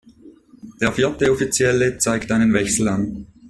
Der vierte Offizielle zeigt einen Wechsel an.